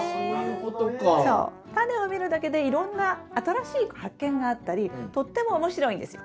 タネを見るだけでいろんな新しい発見があったりとっても面白いんですよ。